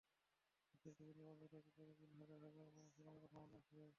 দেশের বিভিন্ন প্রান্ত থেকে প্রতিদিন হাজার হাজার মানুষ সোনারগাঁ ভ্রমণে আসে।